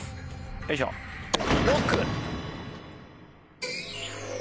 よいしょＬＯＣＫ！